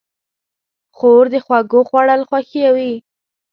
خور د خوږو خوړل خوښوي.